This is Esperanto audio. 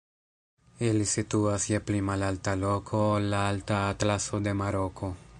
Ili situas je pli malalta loko ol la Alta Atlaso de Maroko.